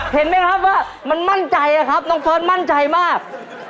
เห็นไหมครับว่ามันมั่นใจอะครับน้องเฟิร์สมั่นใจมาก